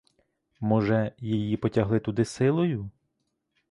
Може, її потягли туди силою?